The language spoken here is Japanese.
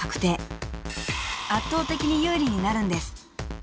［圧倒的に有利になるんです］